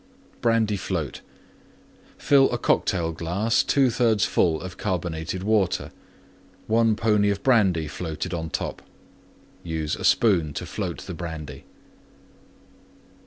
BRANDY FLOAT Fill a Cocktail glass 2/3 full of Carbonated Water. 1 pony Brandy floated on top. (Use spoon to float the Brandy).